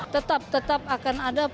tetap tetap akan ada